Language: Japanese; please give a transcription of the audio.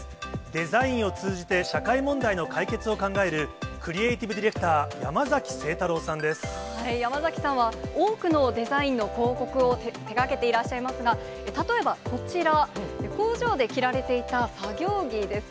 デザインを通じて社会問題の解決を考える、クリエイティブディレクター、山崎さんは、多くのデザインの広告を手がけていらっしゃいますが、例えばこちら、工場で着られていた作業着です。